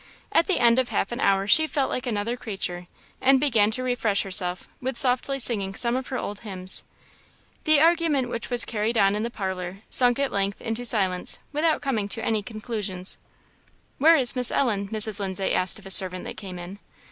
At the end of half an hour she felt like another creature, and began to refresh herself with softly singing some of her old hymns. The argument which was carried on in the parlour sunk at length into silence without coming to any conclusion. "Where is Miss Ellen?" Mrs. Lindsay asked of a servant that came in.